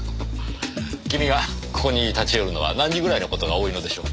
君がここに立ち寄るのは何時ぐらいの事が多いのでしょう？